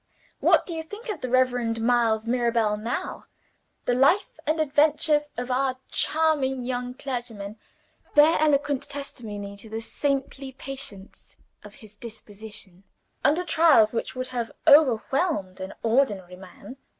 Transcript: "What do you think of the Reverend Miles Mirabel now? "The life and adventures of our charming young clergyman, bear eloquent testimony to the saintly patience of his disposition, under trials which would have overwhelmed an ordinary man.